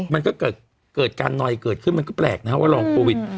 มันก็เกิดการนอยเกิดขึ้นมันก็แปลกนะว่าลองโควิด